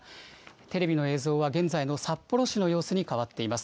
テレビの映像は、現在の札幌市の様子にかわっています。